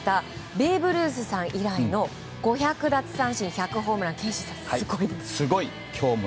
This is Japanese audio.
ベーブ・ルースさん以来の５００奪三振１００ホームラン。